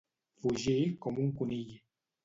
Fugir com un conill.